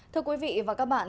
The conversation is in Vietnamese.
thưa quý vị và các bạn